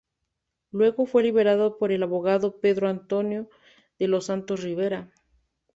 Luego fue liberado por el abogado Pedro Antonio de los Santos Rivera.